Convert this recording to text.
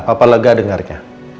papa lega dengarnya